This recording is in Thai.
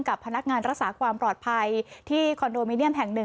กับพนักงานรักษาความปลอดภัยที่คอนโดมิเนียมแห่ง๑